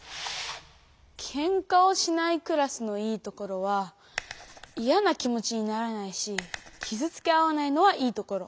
「ケンカをしないクラス」のいいところはいやな気持ちにならないしきずつけ合わないのはいいところ。